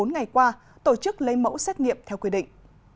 một mươi bốn ngày qua tổ chức lấy mẫu xét nghiệm theo quy định